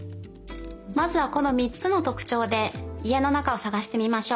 まずはこのみっつのとくちょうで家の中をさがしてみましょう。